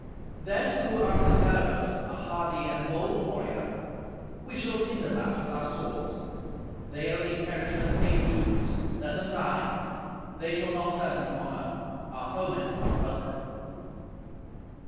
Thereto answered Gernot, a hardy and bold warrior, "We shall hinder that with our swords. They only perish that fate dooms. Let them die. They shall not turn from honour. Our foemen are welcome."